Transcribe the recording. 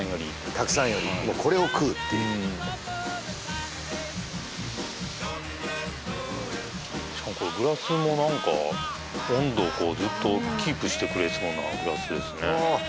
たくさんよりこれを食うっていうしかもグラスも何か温度をずっとキープしてくれそうなグラスですね